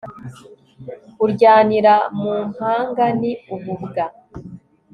uryanira mumpanga ni ububwa